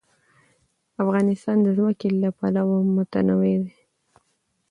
افغانستان د ځمکه له پلوه متنوع دی.